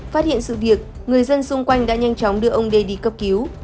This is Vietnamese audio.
phát hiện sự việc người dân xung quanh đã nhanh chóng đưa ông d đi cấp cứu